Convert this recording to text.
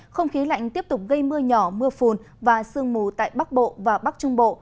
không khí lạnh tiếp tục gây mưa nhỏ mưa phùn và sương mù tại bắc bộ và bắc trung bộ